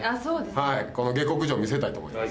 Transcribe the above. はい下克上見せたいと思います